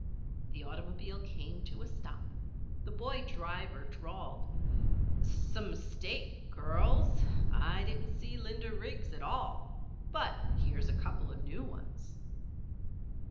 The automobile came to a stop. The boy driver drawled: "Some mistake, girls. I didn't see Linda Riggs at all. But here's a couple of new ones."